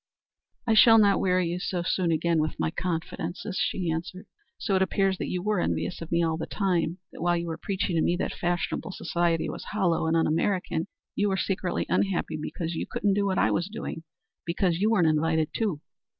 "I shall not weary you soon again with my confidences," she answered. "So it appears that you were envious of me all the time that while you were preaching to me that fashionable society was hollow and un American, you were secretly unhappy because you couldn't do what I was doing because you weren't invited, too.